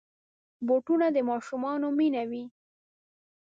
بوټونه د ماشومانو مینه وي.